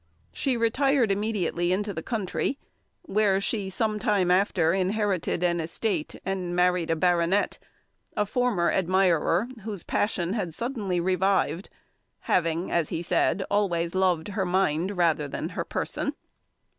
She retired immediately into the country, where she some time after inherited an estate, and married a baronet, a former admirer, whose passion had suddenly revived; "having," as he said, "always loved her mind rather than her person."